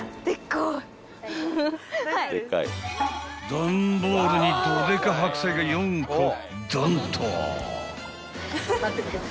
［段ボールにどでか白菜が４個ドンと］